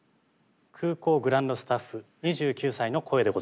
空港グランドスタッフ２９歳の声でございます。